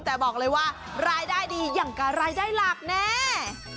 แต่บอกเลยว่ารายได้ดีอย่างกับรายได้หลักแน่